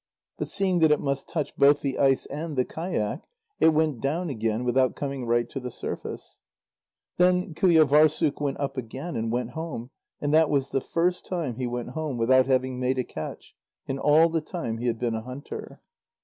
But seeing that it must touch both the ice and the kayak, it went down again without coming right to the surface. Then Qujâvârssuk went up again and went home, and that was the first time he went home without having made a catch, in all the time he had been a hunter.